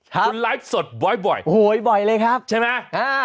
ครับคุณไลฟ์สดบ่อยโหยบ่อยเลยครับใช่ไหมอ้า